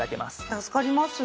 助かります。